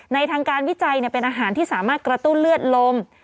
ทางการวิจัยเป็นอาหารที่สามารถกระตุ้นเลือดลม